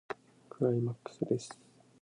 クライマックスです。